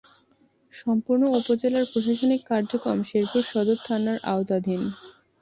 সম্পূর্ণ উপজেলার প্রশাসনিক কার্যক্রম শেরপুর সদর থানার আওতাধীন।